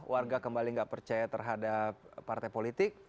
warga kembali nggak percaya terhadap partai politik